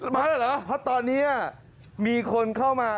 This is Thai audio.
มาแล้วเหรอเพราะตอนนี้มีคนเข้ามา